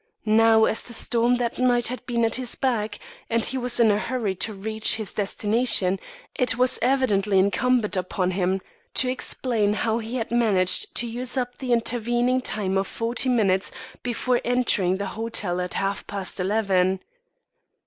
Now, as the storm that night had been at his back, and he was in a hurry to reach his destination, it was evidently incumbent upon him to explain how he had managed to use up the intervening time of forty minutes before entering the hotel at half past eleven.